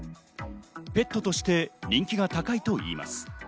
ペットとして人気が高いといいます。